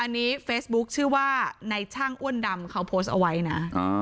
อันนี้เฟซบุ๊คชื่อว่าในช่างอ้วนดำเขาโพสต์เอาไว้นะ